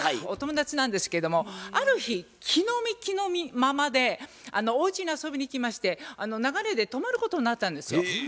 お友達なんですけれどもある日着のみ着のままでおうちに遊びにいきまして流れで泊まることになったんですよ。